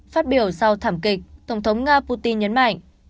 phát biểu sau thảm kịch tổng thống nga putin nhấn mạnh